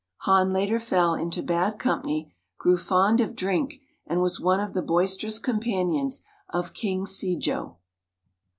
Han later fell into bad company, grew fond of drink, and was one of the boisterous companions of King Se jo.